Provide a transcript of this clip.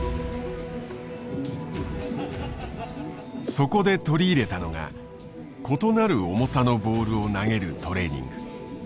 そこで取り入れたのが異なる重さのボールを投げるトレーニング。